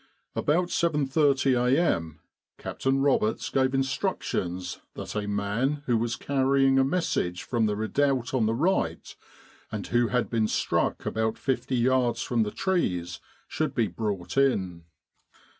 "* About 7.30 a.m. Captain Roberts gave instruc tions that a man, who was carrying a message from the redoubt on the right, and who had been struck about fifty yards from the trees, should be brought in.